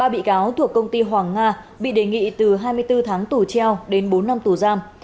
ba bị cáo thuộc công ty hoàng nga bị đề nghị từ hai mươi bốn tháng tù treo đến bốn năm tù giam